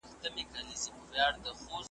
چي اغږلی یې په خټه کي عادت دی .